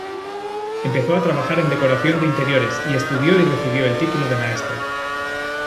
Empezó a trabajar en decoración de interiores, y estudió y recibió título de maestra.